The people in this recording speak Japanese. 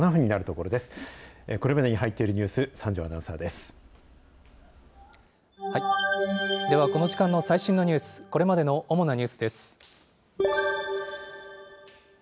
これまでに入っているニュース、ではこの時間の最新のニュース、これまでの主なニュースです。